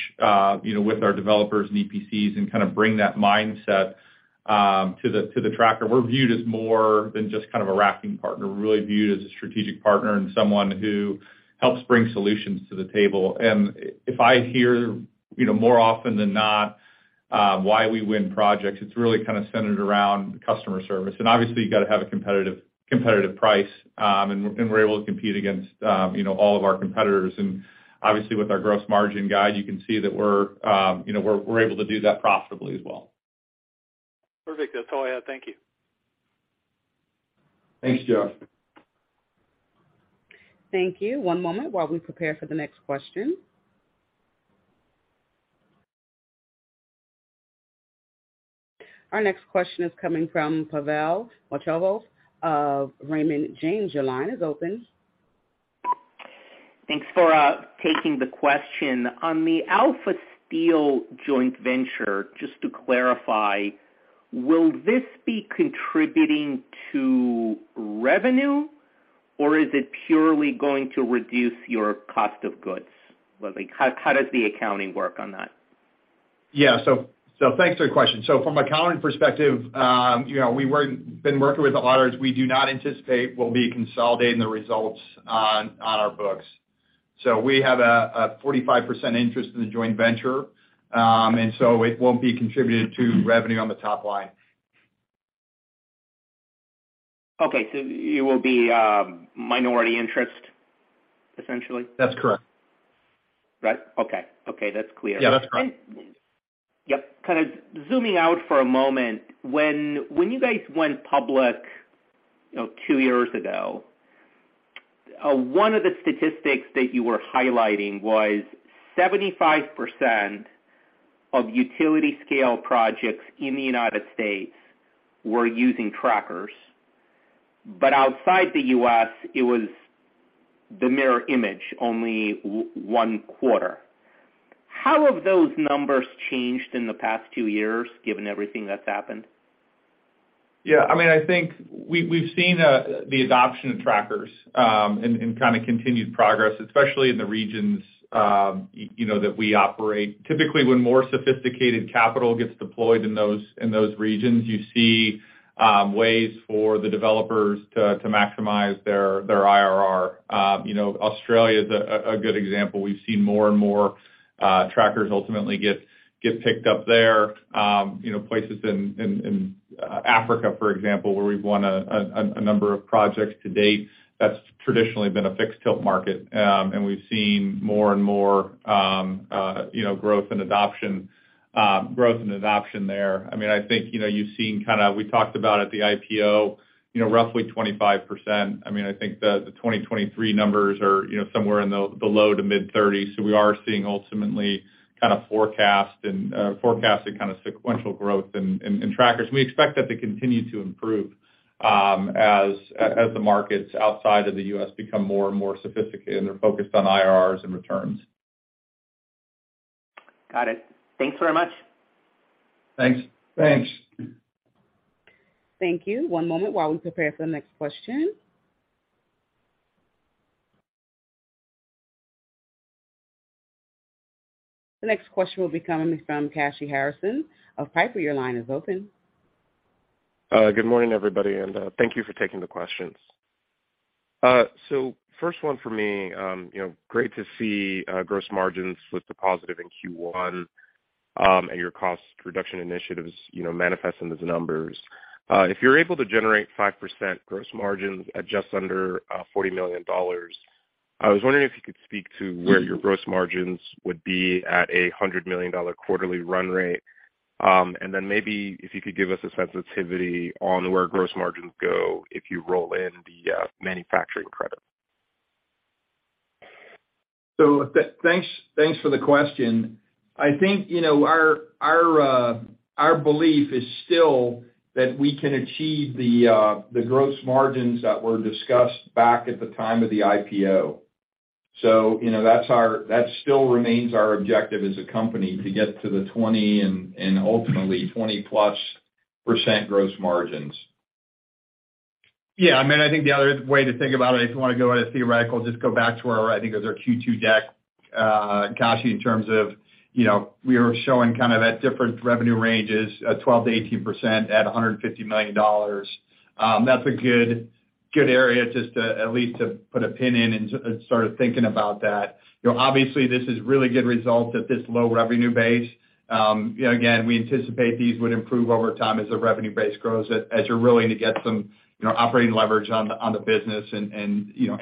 you know, with our developers and EPCs and kind of bring that mindset to the tracker. We're viewed as more than just kind of a racking partner. We're really viewed as a strategic partner and someone who helps bring solutions to the table. If I hear, you know, more often than not, why we win projects, it's really kind of centered around customer service. Obviously, you've got to have a competitive price, and we're able to compete against, you know, all of our competitors. Obviously, with our gross margin guide, you can see that we're, you know, we're able to do that profitably as well. Perfect. That's all I had. Thank you. Thanks, Jeff. Thank you. One moment while we prepare for the next question. Our next question is coming from Pavel Molchanov of Raymond James. Your line is open. Thanks for taking the question. On the Alpha Steel joint venture, just to clarify, will this be contributing to revenue or is it purely going to reduce your cost of goods? Like, how does the accounting work on that? Yeah. Thanks for the question. From accounting perspective, you know, we've been working with the auditors. We do not anticipate we'll be consolidating the results on our books. We have a 45% interest in the joint venture, it won't be contributed to revenue on the top line. Okay. It will be minority interest, essentially? That's correct. Right. Okay. Okay, that's clear. Yeah, that's correct. Yep. Kind of zooming out for a moment, when you guys went public, you know, two years ago, one of the statistics that you were highlighting was 75% of utility-scale projects in the United States were using trackers. Outside the U.S., it was the mirror image, only one quarter. How have those numbers changed in the past two years given everything that's happened? Yeah. I mean, I think we've seen the adoption of trackers, and kind of continued progress, especially in the regions, you know, that we operate. Typically, when more sophisticated capital gets deployed in those regions, you see ways for the developers to maximize their IRR. You know, Australia is a good example. We've seen more and more trackers ultimately get picked up there. You know, places in Africa, for example, where we've won a number of projects to date that's traditionally been a fixed tilt market. We've seen more and more, you know, growth and adoption there. I mean, I think, you know, you've seen. We talked about at the IPO, you know, roughly 25%. I mean, I think the 2023 numbers are, you know, somewhere in the low to mid-thirties. We are seeing ultimately kind of forecast and forecasted kind of sequential growth in trackers. We expect that to continue to improve, as the markets outside of the U.S. become more and more sophisticated, and they're focused on IRRs and returns. Got it. Thanks very much. Thanks. Thanks. Thank you. One moment while we prepare for the next question. The next question will be coming from Kashy Harrison of Piper. Your line is open. Good morning, everybody, thank you for taking the questions. First one for me, you know, great to see gross margins with the positive in Q1, and your cost reduction initiatives, you know, manifest in those numbers. If you're able to generate 5% gross margins at just under $40 million, I was wondering if you could speak to where your gross margins would be at a $100 million quarterly run rate? Maybe if you could give us a sensitivity on where gross margins go if you roll in the manufacturing credit? Thanks for the question. I think, you know, our belief is still that we can achieve the gross margins that were discussed back at the time of the IPO. You know, that still remains our objective as a company to get to the 20 and ultimately 20+% gross margins. Yeah. I mean, I think the other way to think about it, if you wanna go at it theoretical, just go back to our, I think it was our Q2 deck, Kashy, in terms of, you know, we were showing kind of at different revenue ranges, 12%-18% at $150 million. That's a good area just to at least to put a pin in and start thinking about that. You know, obviously this is really good results at this low revenue base. Again, we anticipate these would improve over time as the revenue base grows as you're willing to get some, you know, operating leverage on the business and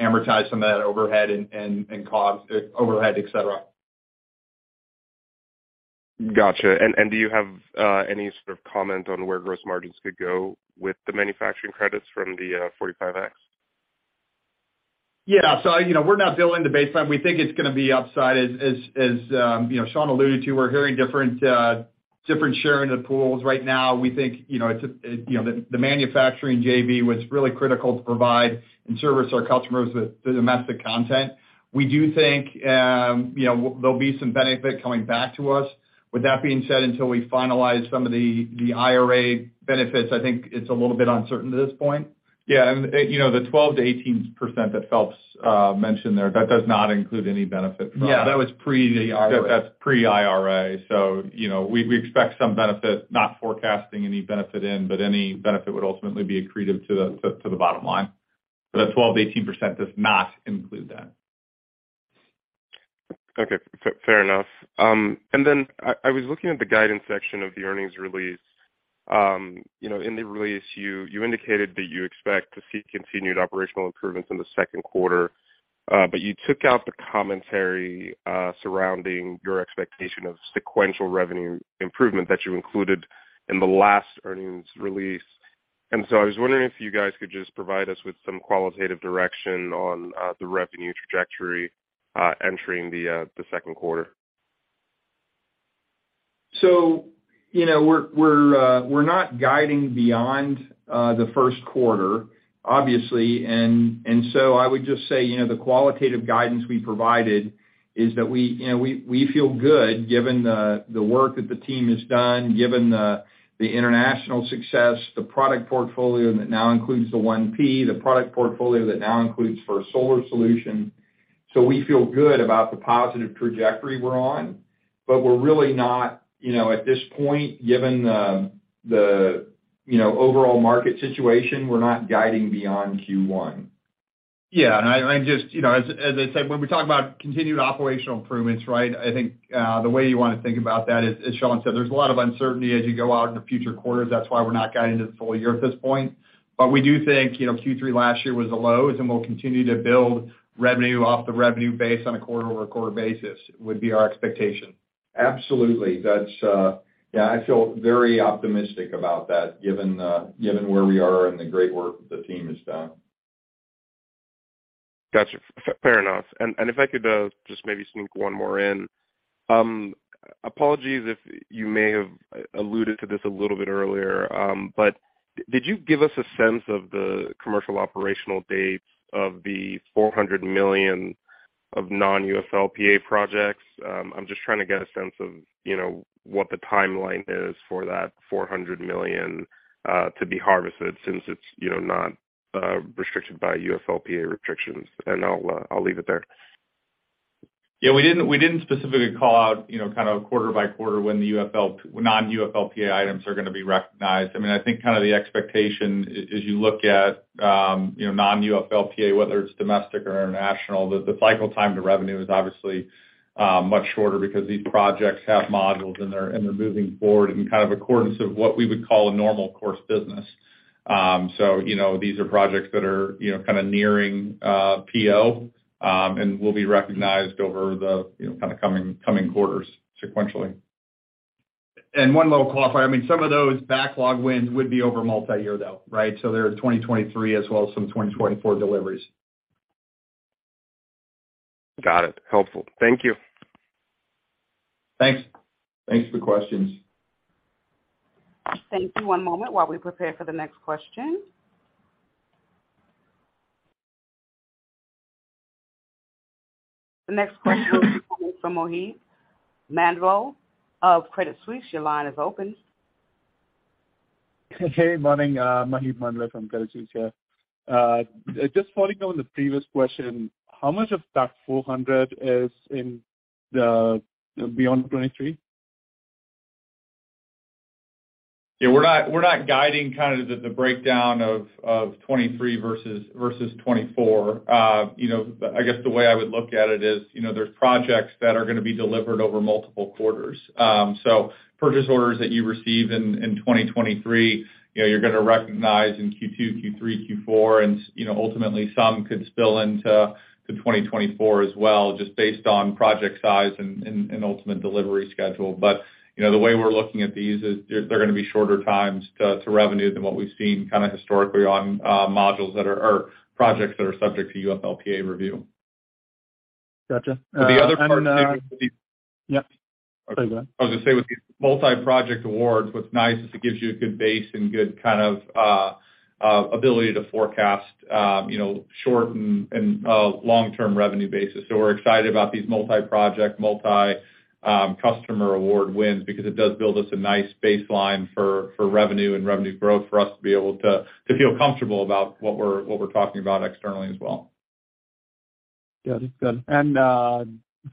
amortize some of that overhead and cost, overhead, et cetera. Gotcha. And do you have any sort of comment on where gross margins could go with the manufacturing credits from the Section 45X? Yeah. You know, we're not billing the baseline. We think it's gonna be upside as, you know, Sean alluded to. We're hearing different sharing of pools right now. We think, you know, it's, you know, the manufacturing JV was really critical to provide and service our customers with the domestic content. We do think, you know, there'll be some benefit coming back to us. With that being said, until we finalize some of the IRA benefits, I think it's a little bit uncertain at this point. Yeah. you know, the 12%-18% that Phelps mentioned there, that does not include any benefit from. Yeah. That was pre the IRA. That's pre-IRA. You know, we expect some benefit, not forecasting any benefit in, but any benefit would ultimately be accretive to the bottom line. That 12%-18% does not include that. Okay. Fair, fair enough. I was looking at the guidance section of the earnings release. You know, in the release you indicated that you expect to see continued operational improvements in the second quarter, but you took out the commentary surrounding your expectation of sequential revenue improvement that you included in the last earnings release. I was wondering if you guys could just provide us with some qualitative direction on the revenue trajectory entering the second quarter. You know, we're not guiding beyond the first quarter, obviously. I would just say, you know, the qualitative guidance we provided is that we feel good given the work that the team has done, given the international success, the product portfolio that now includes the 1P, the product portfolio that now includes for a solar solution. We feel good about the positive trajectory we're on. We're really not, you know, at this point, given the, you know, overall market situation, we're not guiding beyond Q1. I just, you know, as I said, when we talk about continued operational improvements, right? I think, the way you wanna think about that is, as Sean said, there's a lot of uncertainty as you go out into future quarters. That's why we're not guiding to the full year at this point. We do think, you know, Q3 last year was the lows, and we'll continue to build revenue off the revenue base on a quarter-over-quarter basis, would be our expectation. Absolutely. That's. Yeah, I feel very optimistic about that given where we are and the great work the team has done. Gotcha. Fair enough. If I could, just maybe sneak one more in. Apologies if you may have alluded to this a little bit earlier. But did you give us a sense of the commercial operational dates of the $400 million of non-UFLPA projects? I'm just trying to get a sense of, you know, what the timeline is for that $400 million to be harvested since it's, you know, not restricted by UFLPA restrictions. I'll leave it there. We didn't specifically call out, you know, kind of quarter by quarter when the non-UFLPA items are gonna be recognized. I mean, I think kind of the expectation as you look at, you know, non-UFLPA, whether it's domestic or international, the cycle time to revenue is obviously much shorter because these projects have modules, and they're moving forward in kind of accordance of what we would call a normal course business. You know, these are projects that are, you know, kind of nearing PO, and will be recognized over the, you know, kind of coming quarters sequentially. One little qualifier. I mean, some of those backlog wins would be over multi-year, though, right? There are 2023 as well as some 2024 deliveries. Got it. Helpful. Thank you. Thanks. Thanks for the questions. Thank you. One moment while we prepare for the next question. The next question comes from Maheep Mandloi of Credit Suisse. Your line is open. Hey, morning. Maheep Mandloi from Credit Suisse here. Just following on the previous question, how much of that 400 is in the beyond 2023? Yeah, we're not guiding kind of the breakdown of 2023 versus 2024. You know, I guess the way I would look at it is, you know, there's projects that are gonna be delivered over multiple quarters. Purchase orders that you receive in 2023, you know, you're gonna recognize in Q2, Q3, Q4, and, you know, ultimately some could spill into 2024 as well, just based on project size and ultimate delivery schedule. You know, the way we're looking at these is they're gonna be shorter times to revenue than what we've seen kind of historically on projects that are subject to UFLPA review. Gotcha. The other part- Yep. Sorry, go ahead. I was gonna say with these multi-project awards, what's nice is it gives you a good base and good kind of, ability to forecast, you know, short and, long-term revenue basis. We're excited about these multi-project, multi, customer award wins because it does build us a nice baseline for revenue and revenue growth for us to be able to feel comfortable about what we're, what we're talking about externally as well. Got it. Got it.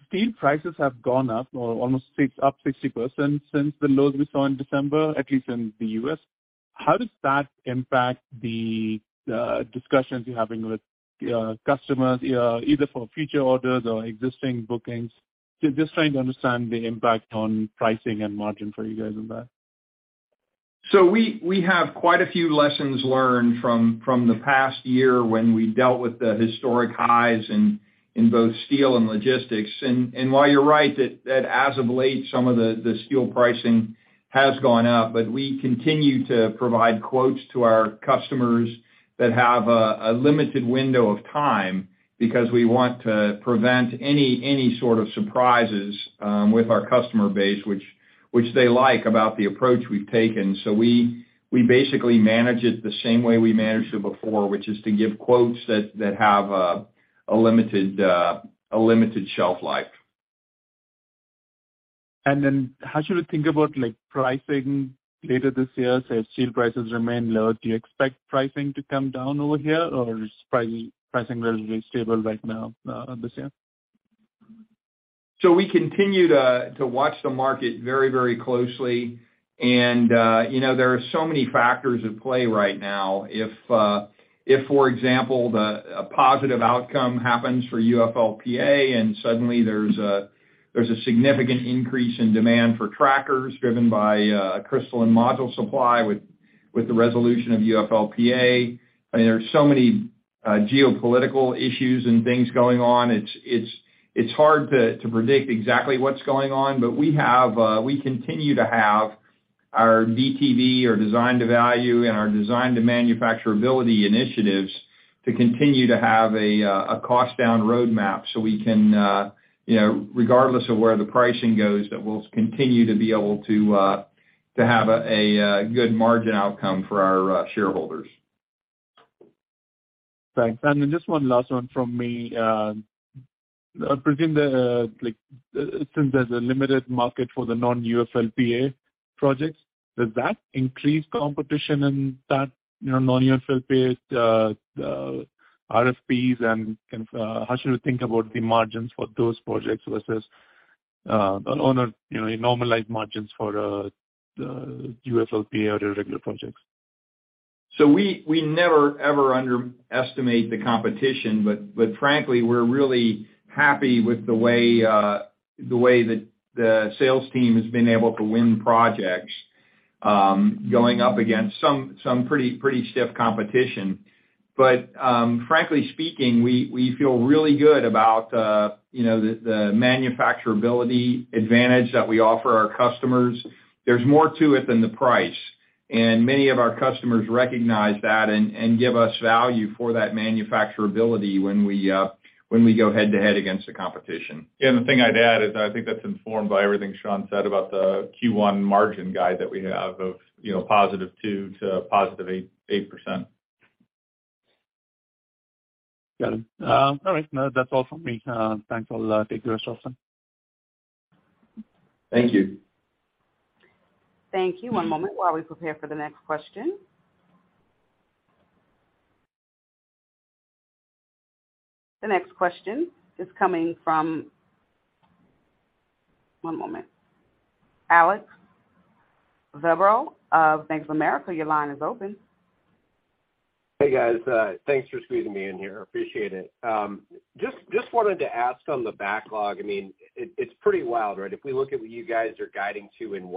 Steel prices have gone up or almost up 60% since the lows we saw in December, at least in the U.S. How does that impact the discussions you're having with your customers, either for future orders or existing bookings? Just trying to understand the impact on pricing and margin for you guys on that. We have quite a few lessons learned from the past year when we dealt with the historic highs in both steel and logistics. While you're right that as of late some of the steel pricing has gone up, but we continue to provide quotes to our customers that have a limited window of time because we want to prevent any sort of surprises with our customer base, which they like about the approach we've taken. We basically manage it the same way we managed it before, which is to give quotes that have a limited, a limited shelf life. Then how should we think about like pricing later this year? Say, if steel prices remain low, do you expect pricing to come down over here or is pricing relatively stable right now this year? We continue to watch the market very, very closely and, you know, there are so many factors at play right now. If a positive outcome happens for UFLPA and suddenly there's a significant increase in demand for trackers driven by crystalline module supply with the resolution of UFLPA. I mean, there are so many geopolitical issues and things going on. It's hard to predict exactly what's going on. We have, we continue to have our DTV, our design-to-value and our design-to-manufacturability initiatives to continue to have a cost down roadmap so we can, you know, regardless of where the pricing goes, that we'll continue to be able to have a good margin outcome for our shareholders. Thanks. Just one last one from me. Since there's a limited market for the non-UFLPA projects, does that increase competition in that, you know, non-UFLPA RFPs and kind of, how should we think about the margins for those projects versus, on a, you know, normalized margins for the UFLPA or the regular projects? We never ever underestimate the competition, but frankly we're really happy with the way that the sales team has been able to win projects. Going up against some pretty stiff competition. Frankly speaking, we feel really good about, you know, the manufacturability advantage that we offer our customers. There's more to it than the price. Many of our customers recognize that and give us value for that manufacturability when we go head-to-head against the competition. The thing I'd add is I think that's informed by everything Sean said about the Q1 margin guide that we have of, you know, +2% to +8%. Got it. All right. No, that's all for me. Thanks. I'll take the rest offline. Thank you. Thank you. One moment while we prepare for the next question. The next question is coming from. One moment. Julien Dumoulin-Smith of Bank of America, your line is open. Hey, guys. Thanks for squeezing me in here. Appreciate it. Just wanted to ask on the backlog. I mean, it's pretty wild, right? If we look at what you guys are guiding to in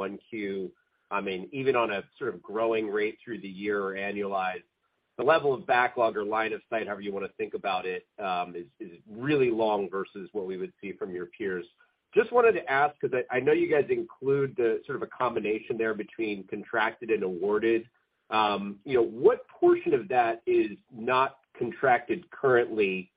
1Q, I mean, even on a sort of growing rate through the year or annualized, the level of backlog or line of sight, however you wanna think about it, is really long versus what we would see from your peers. Just wanted to ask, 'cause I know you guys include the sort of a combination there between contracted and awarded. You know, what portion of that is not contracted currently?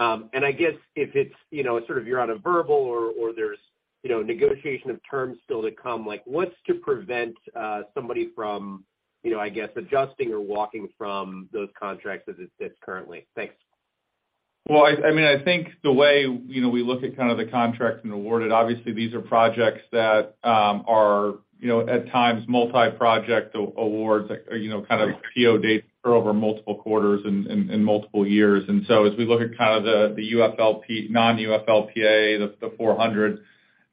I guess if it's, you know, sort of you're on a verbal or there's, you know, negotiation of terms still to come, like, what's to prevent somebody from, you know, I guess, adjusting or walking from those contracts as it sits currently? Thanks. Well, I mean, I think the way, you know, we look at kind of the contracts and awarded, obviously these are projects that are, you know, at times multi-project awards, you know, kind of PO dates are over multiple quarters and multiple years. As we look at kind of the non-UFLPA, the 400,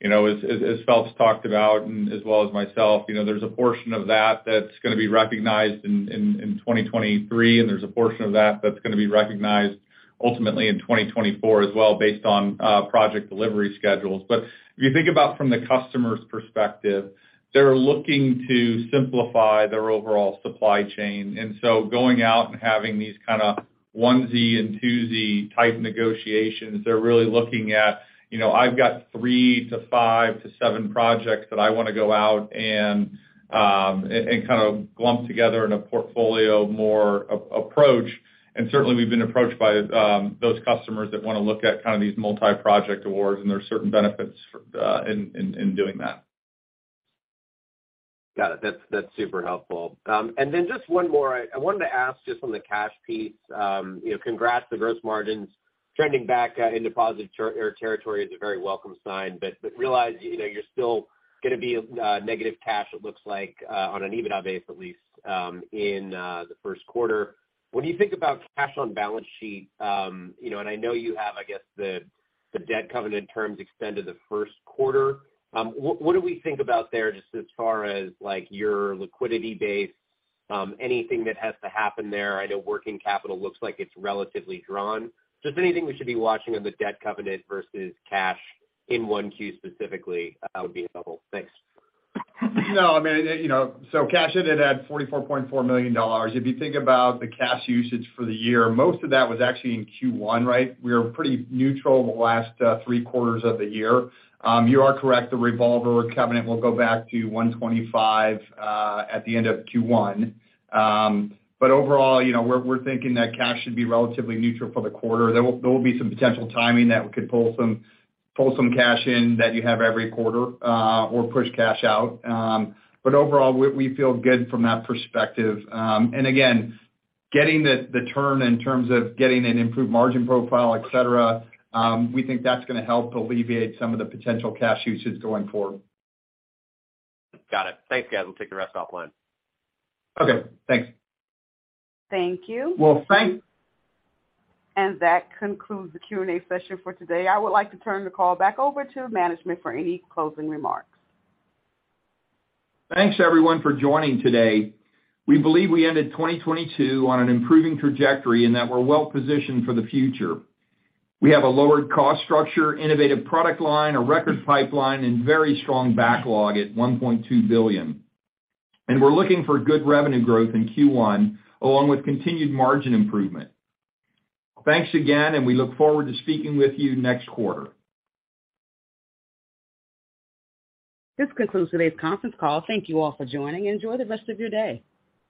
you know, as Phelps talked about and as well as myself, you know, there's a portion of that that's gonna be recognized in 2023, and there's a portion of that that's gonna be recognized ultimately in 2024 as well based on project delivery schedules. If you think about from the customer's perspective, they're looking to simplify their overall supply chain. Going out and having these kind of onesie and twosie type negotiations, they're really looking at, you know, I've got three to five to seven projects that I wanna go out and kind of lump together in a portfolio more a-approach. Certainly, we've been approached by those customers that wanna look at kind of these multi-project awards, and there are certain benefits, in doing that. Got it. That's super helpful. Just one more. I wanted to ask just on the cash piece. You know, Congrats to gross margins trending back into positive territory is a very welcome sign, but realize, you know, you're still gonna be negative cash, it looks like, on an EBITDA base at least, in the first quarter. When you think about cash on balance sheet, you know, I know you have, I guess, the debt covenant terms extend to the first quarter. What do we think about there just as far as, like, your liquidity base, anything that has to happen there? I know working capital looks like it's relatively drawn. Just anything we should be watching on the debt covenant versus cash in 1Q specifically? Would be helpful. Thanks. No, I mean, you know, cash it had $44.4 million. If you think about the cash usage for the year, most of that was actually in Q1, right? We were pretty neutral in the last three quarters of the year. You are correct. The revolver covenant will go back to 125 at the end of Q1. Overall, you know, we're thinking that cash should be relatively neutral for the quarter. There will be some potential timing that we could pull some cash in that you have every quarter or push cash out. Overall, we feel good from that perspective. Again, getting the turn in terms of getting an improved margin profile, et cetera, we think that's gonna help alleviate some of the potential cash usage going forward. Got it. Thanks, guys. We'll take the rest offline. Okay. Thanks. Thank you. Well, thank- That concludes the Q&A session for today. I would like to turn the call back over to management for any closing remarks. Thanks, everyone, for joining today. We believe we ended 2022 on an improving trajectory and that we're well-positioned for the future. We have a lowered cost structure, innovative product line, a record pipeline, and very strong backlog at $1.2 billion. We're looking for good revenue growth in Q1, along with continued margin improvement. Thanks again, and we look forward to speaking with you next quarter. This concludes today's conference call. Thank you all for joining. Enjoy the rest of your day.